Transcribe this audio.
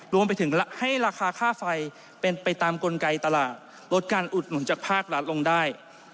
รวมไปถึงให้ราคาค่าไฟเป็นไปตามกลไกตลาดลดการอุดหนุนจากภาครัฐลงได้